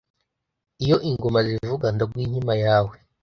iyo ingoma zivuga ndaguha inkima yawe